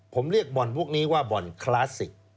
ผมเรียกบ่อนพวกนี้ว่าบ่อนคลาสสิก